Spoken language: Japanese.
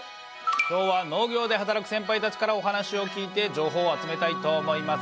今日は農業で働くセンパイたちからお話を聞いて情報を集めたいと思います。